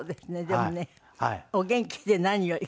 でもねお元気で何より。